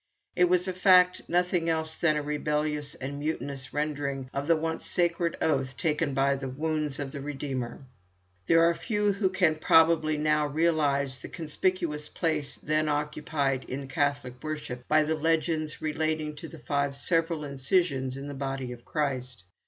It was in fact nothing else than a rebellious and mutinous rendering of the once sacred oath taken by the wounds of the Redeemer. There are few who can probably now realise the conspicuous place then occupied in the Catholic worship by the legends relating to the five several incisions in the body of Christ.